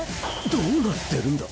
どうなってるんだ？